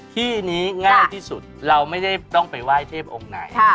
ที่นี้ง่ายที่สุดเราไม่ได้ต้องไปไหว้เทพองค์ไหน